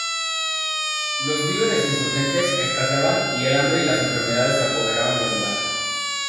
Los víveres insurgentes escaseaban y el hambre y las enfermedades se apoderaron del lugar.